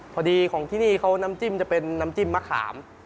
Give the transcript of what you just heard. พอดีของที่นี่เขาน้ำจิ้มจะเป็นน้ำจิ้มมะขาม